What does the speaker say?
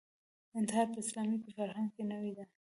انتحار په اسلامي فرهنګ کې نوې ده